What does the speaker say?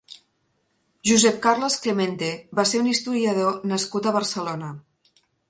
Josep Carles Clemente va ser un historiador nascut a Barcelona.